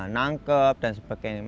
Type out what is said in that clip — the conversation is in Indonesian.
nangkep dan sebagainya